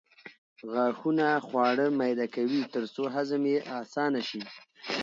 غاښونه خواړه میده کوي ترڅو هضم یې اسانه شي